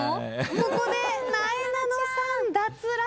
ここでなえなのさん脱落です。